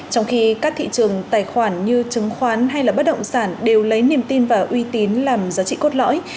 trong khi các thị trường tài khoản như chứng khoán hay bất động sản đều lấy niềm tin và uy tín làm giá trị cốt lõi